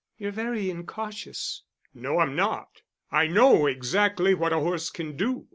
"You're very incautious." "No, I'm not. I know exactly what a horse can do.